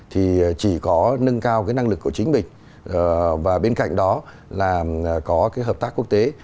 thì chỉ có nâng cao cái năng lực của chính mình và bên cạnh đó là có cái hợp tác quốc tế